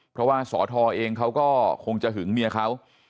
เพราะว่าสอทอเองเขาก็คงจะหึงเมียเขา